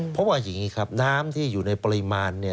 เพราะว่าอย่างนี้ครับน้ำที่อยู่ในปริมาณเนี่ย